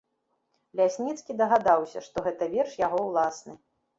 Лясніцкі дагадаўся, што гэта верш яго ўласны.